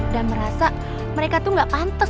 dan merasa mereka tuh gak pantas